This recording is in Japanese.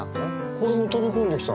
これも飛び込んできたの。